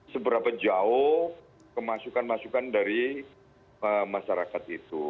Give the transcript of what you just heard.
seberapa jauh kemasukan masukan dari masyarakat itu